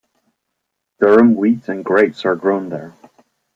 Durum wheat and grapes are grown there.